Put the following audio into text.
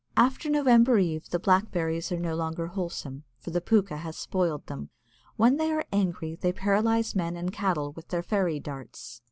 After November Eve the blackberries are no longer wholesome, for the pooka has spoiled them. When they are angry they paralyse men and cattle with their fairy darts.